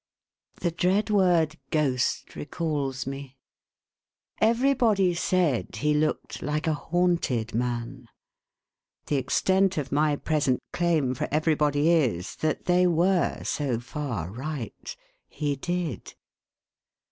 The dread word, GHOST, recalls me. Eve ry body said he looked like a haunted man. The ex tent of my 2 E 418 THE HAUNTED MAN. present claim for everybody is, that they were so far right. He did.